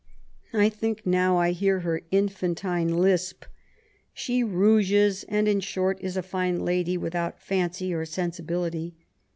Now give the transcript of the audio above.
I think now I hear her infantine lisp. She rouges, and, in short, is a fine lady, without fancy or sensibility.